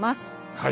はい。